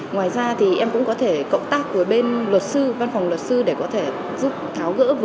ngoài ra thì em cũng có thể cộng tác với bên luật sư văn phòng luật sư để có thể giúp tháo gỡ